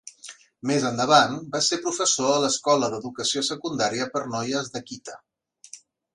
Més endavant, va ser professor a l'escola d'educació secundària per noies d'Akita.